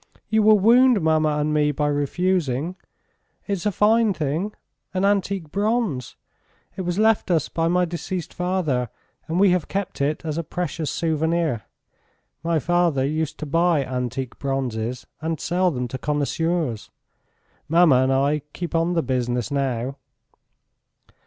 "You will wound mamma and me by refusing. ... It's a fine thing ... an antique bronze. ... It was left us by my deceased father and we have kept it as a precious souvenir. My father used to buy antique bronzes and sell them to connoisseurs ... Mamma and I keep on the business now."